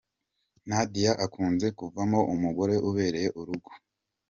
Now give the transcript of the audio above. Nadia akunze kuvamo umugore ubereye urugo.